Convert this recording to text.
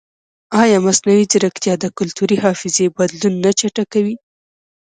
ایا مصنوعي ځیرکتیا د کلتوري حافظې بدلون نه چټکوي؟